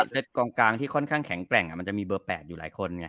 กองกลางที่ค่อนข้างแข็งแกร่งมันจะมีเบอร์๘อยู่หลายคนไง